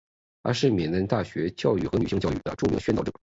他是缅甸大学教育和女性教育的著名宣导者。